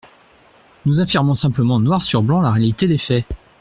Nous affirmons simplement noir sur blanc la réalité des faits.